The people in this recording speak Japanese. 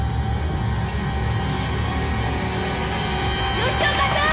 ・吉岡さん！